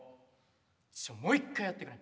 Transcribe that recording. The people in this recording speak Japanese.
もう一回やってくれ。